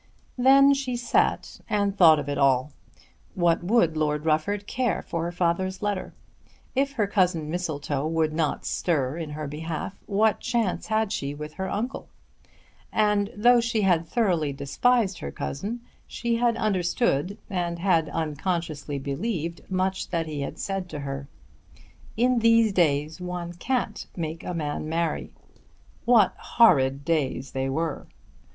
Then she sat and thought of it all. What would Lord Rufford care for her father's letter? If her cousin Mistletoe would not stir in her behalf what chance had she with her uncle? And, though she had thoroughly despised her cousin, she had understood and had unconsciously believed much that he had said to her. "In these days one can't make a man marry!" What horrid days they were!